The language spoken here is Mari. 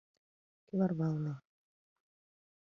Кӱварвалне